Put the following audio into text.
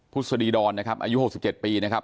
พุศดีดรอายุ๖๗ปีนะครับ